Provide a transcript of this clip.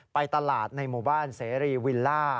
ไปตลาดในหมู่บ้านเสรีวิลล่า